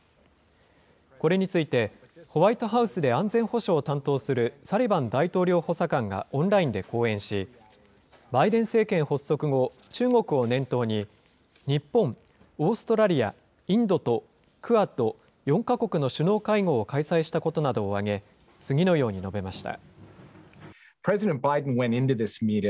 これについて、ホワイトハウスで安全保障を担当するサリバン大統領補佐官がオンラインで講演し、バイデン政権発足後、中国を念頭に日本、オーストラリア、インドとクアッド・４か国の首脳会合を開催したことなどを挙げ、次のように述べました。